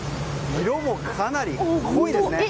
色もかなり濃いですね。